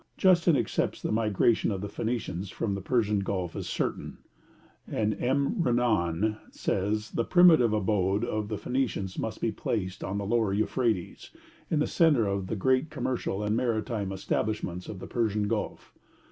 Justin accepts the migration of the Phoenicians from the Persian Gulf as certain; and M. Renan says, 'The primitive abode of the Phoenicians must be placed on the Lower Euphrates, in the centre of the great commercial and maritime establishments of the Persian Gulf.'